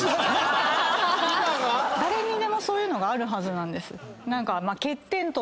誰にでもそういうのがあるはずなんです。